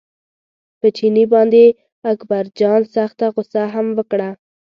په چیني باندې اکبرجان سخته غوسه هم وکړه.